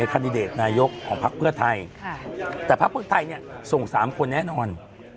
คันดิเดตนายกของพรรคเภื้อไทยแต่พรรคเภื้อไทยเนี่ยส่งสามคนแน่นอน